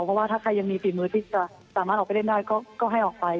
เพราะว่าถ้าใครยังมีฝีมือที่จะสามารถออกไปเล่นได้ก็ให้ออกไป